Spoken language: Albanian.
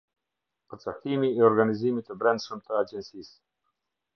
Përcaktimi i organizimit të brendshëm të Agjencisë.